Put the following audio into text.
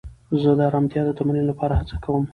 زه د ارامتیا د تمرین لپاره هڅه کوم.